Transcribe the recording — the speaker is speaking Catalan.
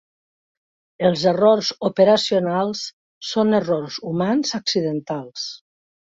Els errors operacionals són errors humans accidentals.